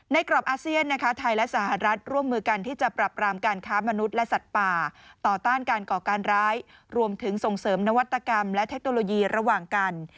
กรอบอาเซียนนะคะไทยและสหรัฐร่วมมือกันที่จะปรับรามการค้ามนุษย์และสัตว์ป่าต่อต้านการก่อการร้ายรวมถึงส่งเสริมนวัตกรรมและเทคโนโลยีระหว่างกัน